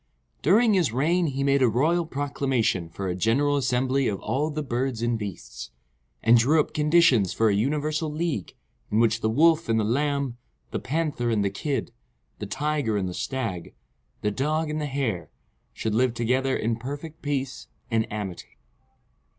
During his reign he made a royal proclamation for a general assembly of all the birds and beasts, and drew up conditions for a universal league, in which the Wolf and the Lamb, the Panther and the Kid, the Tiger and the Stag, the Dog and the Hare, should live together in perfect peace and amity.